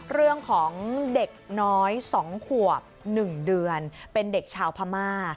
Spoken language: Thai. เรื่องของเด็กน้อย๒ขวบ๑เดือนเป็นเด็กชาวพม่า